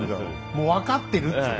もう分かってるつの。